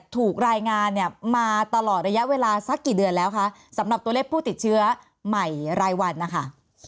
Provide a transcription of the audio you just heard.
ถูกรายงานเนี่ยมาตลอดระยะเวลาสักกี่เดือนแล้วคะสำหรับตัวเลขผู้ติดเชื้อใหม่รายวันนะคะ